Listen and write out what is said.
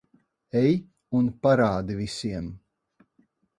Ej un parādi visiem.